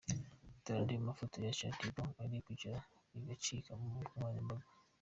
Dore andi mafoto ya Shaddy Boo uri kubica bigacika ku mbuga nkoranyambaga.